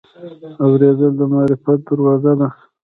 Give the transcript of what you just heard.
اورېدل د معرفت دروازه ده.